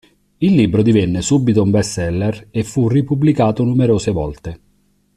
Il libro divenne subito un best seller e fu ripubblicato numerose volte.